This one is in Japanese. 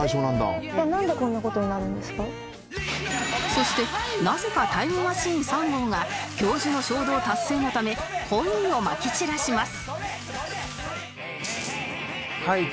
そしてなぜかタイムマシーン３号が教授の衝動達成がためコインをまき散らします